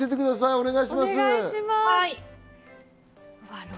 お願いします。